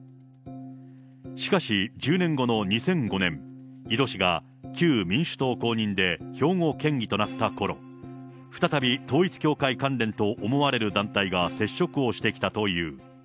しかし、１０年後の２００５年、井戸氏が旧民主党公認で兵庫県議となったころ、再び統一教会関連と思われる団体から接触をしてきたという。